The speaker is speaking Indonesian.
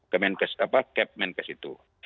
kemenkes apa kepmenkes itu